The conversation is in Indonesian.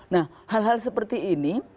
nah hal hal seperti ini